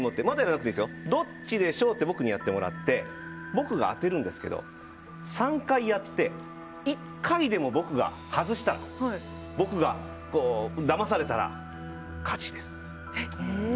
どっちかの手で持って僕にやってもらって僕が当てるんですけど３回やって１回でも僕が外したら僕が、だまされたら勝ちです。